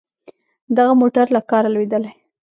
دغه موټر له کاره لوېدلی.